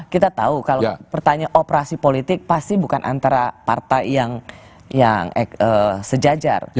kita tahu kalau pertanyaan operasi politik pasti bukan antara partai yang sejajar